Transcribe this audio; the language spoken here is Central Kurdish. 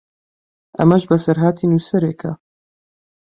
ئەمەش بەسەرهاتی نووسەرێکە